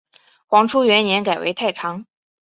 黄初元年改为太常。